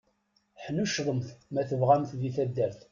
Ḥnuccḍemt ma tabɣamt di taddart.